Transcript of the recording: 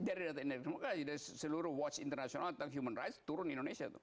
dari data indek demokrasi dari seluruh watch internasional tentang human rights turun indonesia tuh